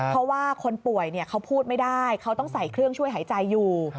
เพราะว่าคนป่วยเขาพูดไม่ได้เขาต้องใส่เครื่องช่วยหายใจอยู่